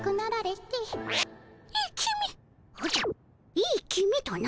いい気味とな？